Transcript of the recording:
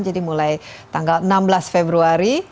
jadi mulai tanggal enam belas februari sampai tanggal lima belas februari